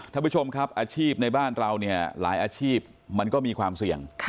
ท่านผู้ชมครับอาชีพในบ้านเราเนี่ยหลายอาชีพมันก็มีความเสี่ยง